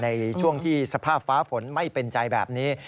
ในช่วงที่สภาพฟ้าฝนไม่เป็นใจแบบนี้